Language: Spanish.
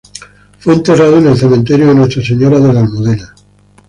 Fue enterrado en el cementerio de Nuestra Señora de la Almudena.